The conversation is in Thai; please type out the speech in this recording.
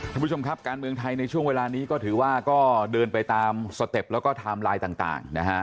ท่านผู้ชมครับการเมืองไทยในช่วงเวลานี้ก็ถือว่าก็เดินไปตามสเต็ปแล้วก็ไทม์ไลน์ต่างนะฮะ